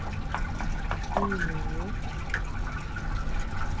Ínuu.